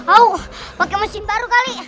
oh pakai mesin baru kali